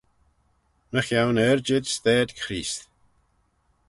Mychione yrjid stayd Chreest.